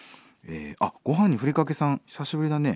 あっご飯にふりかけさん久しぶりだね。